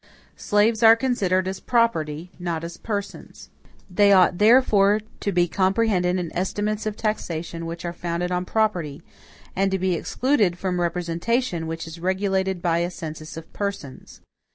Slaves are considered as property, not as persons. They ought therefore to be comprehended in estimates of taxation which are founded on property, and to be excluded from representation which is regulated by a census of persons.